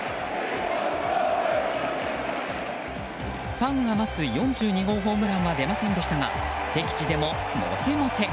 ファンが待つ４２号ホームランは出ませんでしたが敵地でも、モテモテ。